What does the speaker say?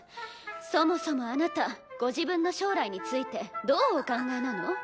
そもそもあなたご自分の将来についてどうお考えなの？